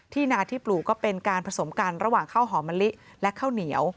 นาที่ปลูกก็เป็นการผสมกันระหว่างข้าวหอมมะลิและข้าวเหนียว